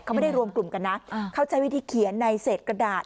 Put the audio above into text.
เขาไม่ได้รวมกลุ่มกันนะเขาใช้วิธีเขียนในเศษกระดาษ